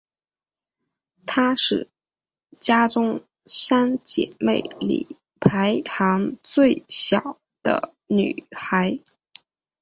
她是家中三姊妹里排行最小的女孩。